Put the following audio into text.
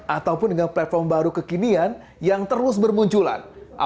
ataupun dengan platform baru kekinian yang terus bermunculan